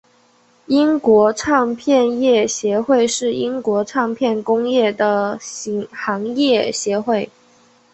英国唱片业协会是英国唱片工业的行业协会。